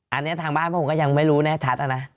อันนี้ทางบ้านผมก็ยังไม่รู้แน่ชัดนะ